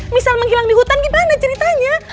misal menghilang di hutan gimana ceritanya